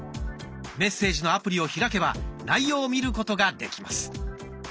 メッセージのアプリを開けば内容を見ることができます。